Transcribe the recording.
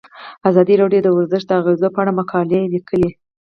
ازادي راډیو د ورزش د اغیزو په اړه مقالو لیکلي.